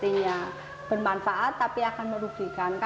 tidak ada yang menurut